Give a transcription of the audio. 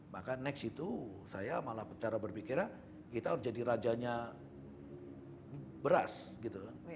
maka next itu saya malah cara berpikirnya kita harus jadi rajanya beras gitu kan